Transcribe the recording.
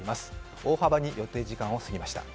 大幅に予定時間を過ぎました。